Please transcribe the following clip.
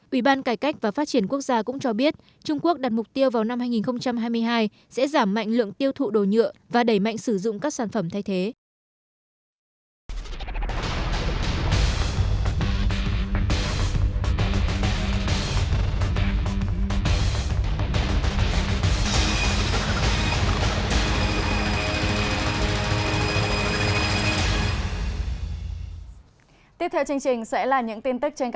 ủy ban cải cách và phát triển quốc gia cũng cho biết trung quốc đặt mục tiêu vào năm hai nghìn hai mươi hai sẽ giảm mạnh lượng tiêu thụ đồ nhựa và đẩy mạnh sử dụng các sản phẩm thay thế